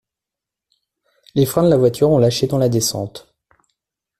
Les freins de la voiture ont lâché dans la descente.